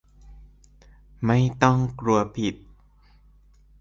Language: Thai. ไม่ต้องกลัวผิด